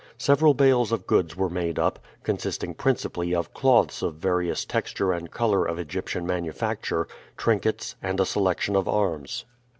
Several bales of goods were made up, consisting principally of cloths of various texture and color of Egyptian manufacture, trinkets, and a selection of arms.